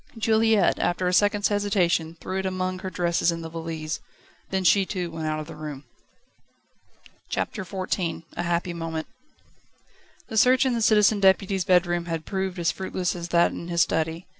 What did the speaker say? Juliette after a second's hesitation threw it among her dresses in the valise. Then she too went out of the room. CHAPTER XIV A happy moment. The search in the Citizen Deputy's bedroom had proved as fruitless as that in his study.